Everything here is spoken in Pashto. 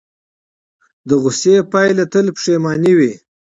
د غوسې پایله تل پښیماني وي.